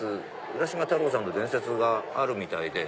浦島太郎さんの伝説があるみたいで。